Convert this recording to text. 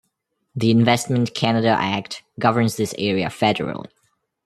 The Investment Canada Act governs this area federally.